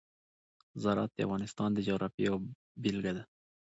زراعت د افغانستان د جغرافیې یوه بېلګه ده.